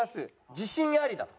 自信ありだと。